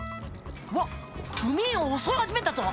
わっ組員を襲い始めたぞ。